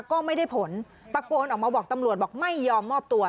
ก็ไม่ได้ผลตะโกนออกมาบอกตำรวจบอกไม่ยอมมอบตัว